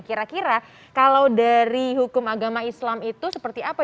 kira kira kalau dari hukum agama islam itu seperti apa